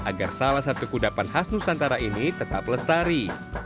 agar salah satu kudapan khas nusantara ini tetap lestari